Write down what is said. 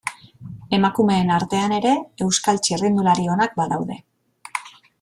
Emakumeen artean ere, Euskal txirrindulari onak badaude.